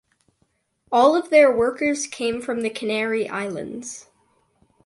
All of their workers came from the Canary Islands.